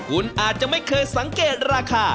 คุณอาจจะไม่เคยสังเกตราคา